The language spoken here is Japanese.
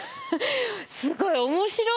すごい面白い。